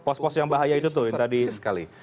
pos pos yang bahaya itu tuh yang tadi sekali